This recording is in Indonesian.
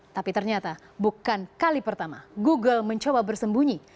tapi ternyata bukan kali pertama google mencoba bersembunyi